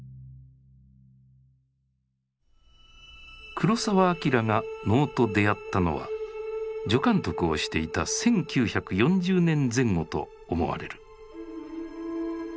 黒澤明が能と出会ったのは助監督をしていた１９４０年前後と思われる。